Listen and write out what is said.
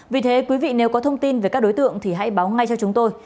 vì thế quý vị nếu có thông tin về các đối tượng thì hãy báo ngay cho chúng tôi